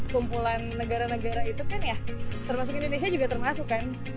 kumpulan negara negara itu kan ya termasuk indonesia juga termasuk kan